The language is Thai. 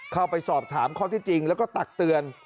เข้าไปสอบถามข้อที่จริงแล้วก็ตักเตือน